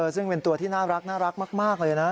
ซึ่งเป็นตัวที่น่ารักมากเลยนะ